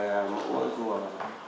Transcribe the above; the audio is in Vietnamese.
và mẫu trăn